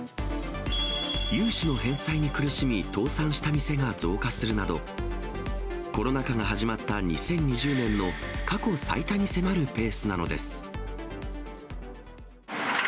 融資の返済に苦しみ倒産した店が増加するなど、コロナ禍が始まった２０２０年の過去最多に迫るペースなのです。